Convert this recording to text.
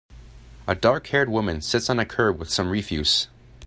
A darkhaired woman sits on a curb with some refuse.